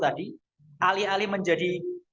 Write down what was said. tadi alih alih menjadi